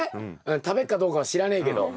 食べっかどうかは知らねえけど。